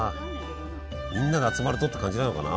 みんなが集まるとって感じなのかな？